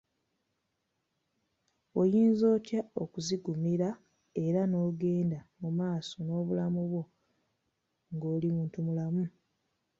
Oyinza otya okuzigumira era n'ogenda mu maaso n'obulamu bwo ng'oli muntu mulamu?